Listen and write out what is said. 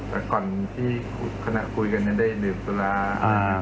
แต่ก่อนที่คณะคุยกันนายได้ดื่มตัวล้า